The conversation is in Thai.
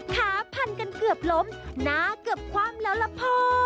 ขาพันกันเกือบล้มหนาเกือบความเรารพ